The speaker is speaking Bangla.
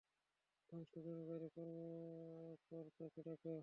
সংশোধনাগারের কর্মকর্রতাকে ডাকো।